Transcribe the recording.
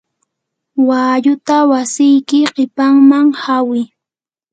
walluta wasiyki qipamman hawi.